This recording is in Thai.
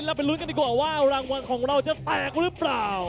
ไปลุ้นกันดีกว่าว่ารางวัลของเราจะแตกหรือเปล่า